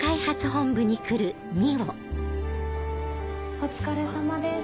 お疲れさまです。